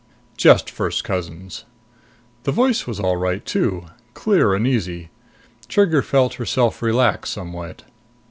"Just first cousins." The voice was all right too clear and easy. Trigger felt herself relax somewhat.